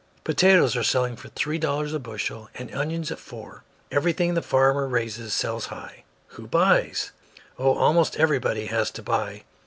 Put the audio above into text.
Potatoes are selling for three dollars a bushel and onions at four. Everything the farmer raises sells high." "Who buys?" "Oh, almost everybody has to buy.